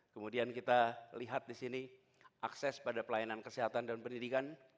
kemudian kita lihat di sini akses pada pelayanan kesehatan dan pendidikan